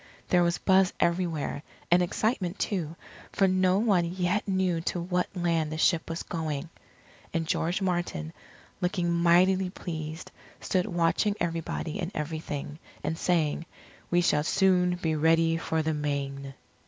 There was buzz everywhere, and excitement too, for no one yet knew to what land the ship was going. And George Martin, looking mightily pleased, stood watching everybody and everything, and saying, "We shall soon be ready for the Main."